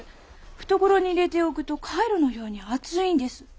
懐に入れておくと懐炉のように熱いんです。